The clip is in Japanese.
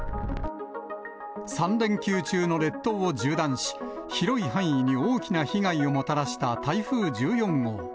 ３連休中の列島を縦断し、広い範囲に大きな被害をもたらした台風１４号。